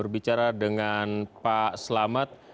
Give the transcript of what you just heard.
bicara dengan pak selamet